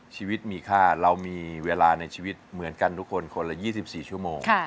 ชีวิตมีค่าเรามีเวลาในชีวิตเหมือนกันทุกคนคนละ๒๔ชั่วโมง